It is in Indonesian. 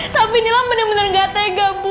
tapi nilam bener bener gak tega bu